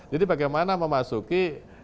jadi bagaimana memasuki